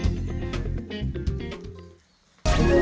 terdapat berbagai kendaraan energi yang bisa membue tenangnya